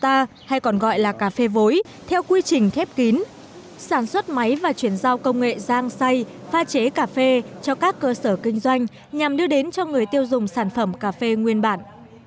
cà hay còn gọi là cà phê vối theo quy trình khép kín sản xuất máy và chuyển giao công nghệ giang say pha chế cà phê cho các cơ sở kinh doanh nhằm đưa đến cho người tiêu dùng sản phẩm cà phê nguyên bản